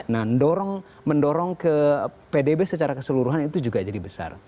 nah mendorong ke pdb secara keseluruhan itu juga jadi besar